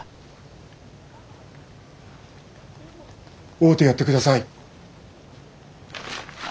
会うてやってください。